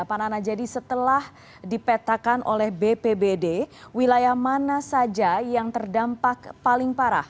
pak nana jadi setelah dipetakan oleh bpbd wilayah mana saja yang terdampak paling parah